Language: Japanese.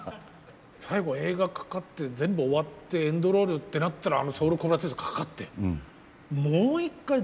最後映画かかって全部終わってエンドロールってなったら「Ｓｏｕｌコブラツイスト」かかって。